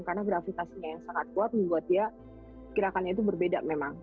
karena gravitasinya yang sangat kuat membuat dia gerakannya itu berbeda memang